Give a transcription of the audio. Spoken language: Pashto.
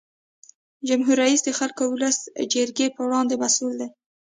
جمهور رئیس د خلکو او ولسي جرګې په وړاندې مسؤل دی.